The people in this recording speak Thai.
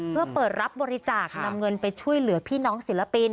เพื่อเปิดรับบริจาคนำเงินไปช่วยเหลือพี่น้องศิลปิน